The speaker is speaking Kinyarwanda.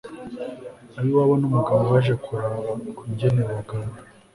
abiwabo numugabo baje kuraba ukungene bogabura